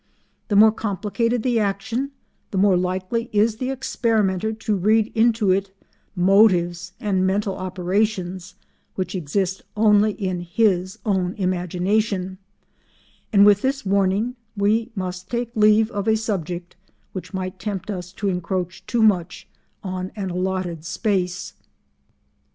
The more complicated the action, the more likely is the experimenter to read into it motives and mental operations which exist only in his own imagination, and with this warning we must take leave of a subject which might tempt us to encroach too much on an allotted space.